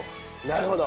なるほど。